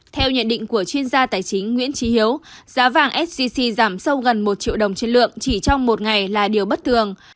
theo nhận định của chuyên gia tài chính nguyễn trí hiếu giá vàng sgc giảm sâu gần một triệu đồng trên lượng chỉ trong một ngày là điều bất thường